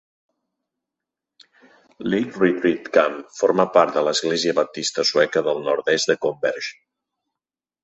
Lake Retreat Camp forma part de l'Església baptista sueca del nord-est de Converge.